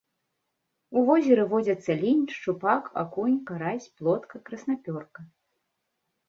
У возеры водзяцца лінь, шчупак, акунь, карась, плотка, краснапёрка.